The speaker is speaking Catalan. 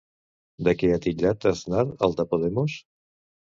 De què ha titllat Aznar al de Podemos?